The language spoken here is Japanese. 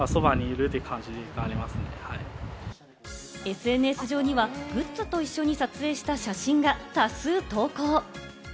ＳＮＳ上にはグッズと一緒に撮影した写真が多数投稿。